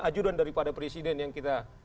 ajudan daripada presiden yang kita